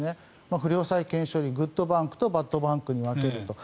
不良債権処理、グッドバンクとバッドバンクに分けると。